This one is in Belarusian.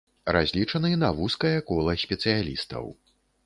Разлічаны на вузкае кола спецыялістаў.